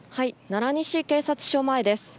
奈良西警察署前です。